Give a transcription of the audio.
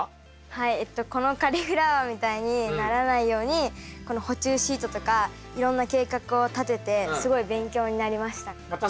はいえっとこのカリフラワーみたいにならないようにこの捕虫シートとかいろんな計画を立ててすごい勉強になりました。